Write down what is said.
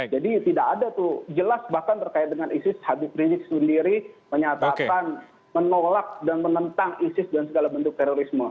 jadi tidak ada tuh jelas bahkan terkait dengan isis hadith rizik sendiri menyatakan menolak dan menentang isis dan segala bentuk terorisme